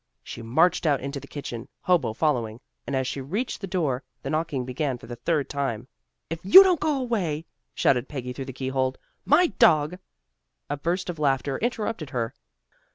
She marched out into the kitchen, Hobo following, and as she reached the door, the knocking began for the third time. "If you don't go away," shouted Peggy through the keyhole, "my dog " A burst of laughter interrupted her.